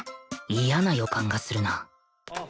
嫌な予感がするな